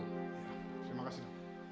terima kasih dok